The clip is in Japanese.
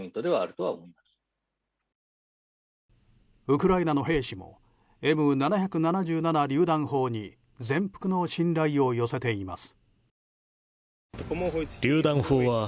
ウクライナの兵士もＭ７７７りゅう弾砲に全幅の信頼を寄せています。